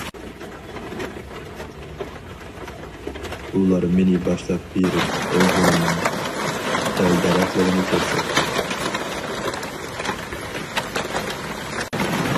ئۇلار مېنى باشلاپ بېرىپ ئۆزلىرىنىڭ دەل- دەرەخلىرىنى كۆرسەتتى.